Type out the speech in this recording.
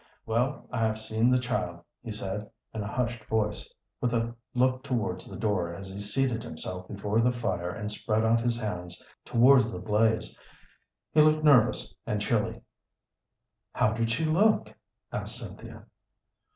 "Well, I have seen the child," he said, in a hushed voice, with a look towards the door as he seated himself before the fire and spread out his hands towards the blaze. He looked nervous and chilly. "How did she look?" asked Cynthia.